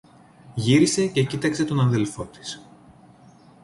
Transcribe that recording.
Γύρισε και κοίταξε τον αδελφό της.